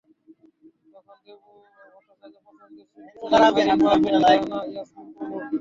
তখন দেবু ভট্টাচার্যের পছন্দের শিল্পী ছিলেন আইরিন পারভিন, রেহানা ইয়াসমিন প্রমুখ।